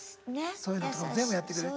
そういうのとかも全部やってくれる。